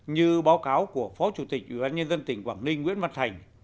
như báo cáo của phó chủ tịch ubnd tỉnh quảng ninh nguyễn văn thành